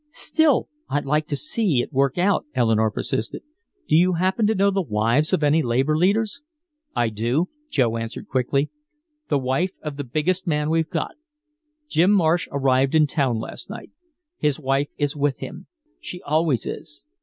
"Still I'd like to see it work out," Eleanore persisted. "Do you happen to know the wives of any labor leaders?" "I do," Joe answered quickly. "The wife of the biggest man we've got. Jim Marsh arrived in town last night. His wife is with him. She always is."